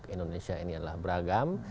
indonesia ini adalah beragam